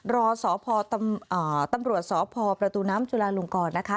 รอสพตำรวจสพประตูน้ำจุลาลงกรนะคะ